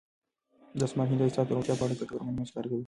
دا سمارټ هېندارې ستاسو د روغتیا په اړه ګټور معلومات ښکاره کوي.